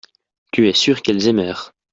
tu es sûr qu'elles aimèrent.